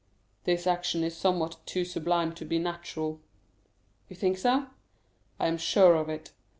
'" "This action is somewhat too sublime to be natural." "You think so?" "I am sure of it.